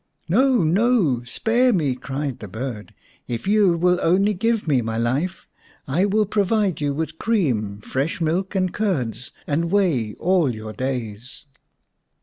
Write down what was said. " No, no ! Spare me !" cried the bird. " If you will only give me my life I will provide you with cream, fresh milk, and curds and whey all your days."